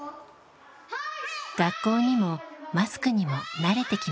学校にもマスクにも慣れてきました。